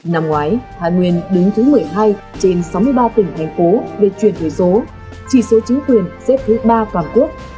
năm ngoái thái nguyên đứng thứ một mươi hai trên sáu mươi ba tỉnh thành phố về chuyển đổi số chỉ số chính quyền xếp thứ ba toàn quốc